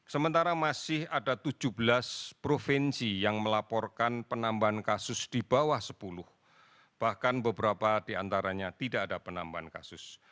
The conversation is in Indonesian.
sementara masih ada tujuh belas provinsi yang melaporkan penambahan kasus di bawah sepuluh bahkan beberapa diantaranya tidak ada penambahan kasus